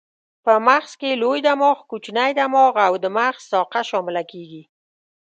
په مغز کې لوی دماغ، کوچنی دماغ او د مغز ساقه شامله کېږي.